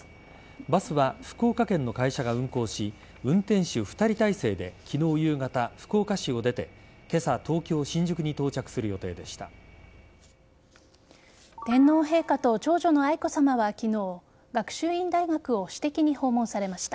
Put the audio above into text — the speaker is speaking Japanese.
バスは福岡県の会社が運行し運転手２人体制で昨日夕方、福岡市を出て今朝東京・新宿に到着する予定でした。